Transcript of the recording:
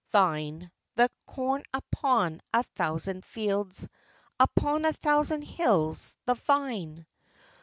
Thine The corn upon a thousand fields, Upon a thousand hills the vine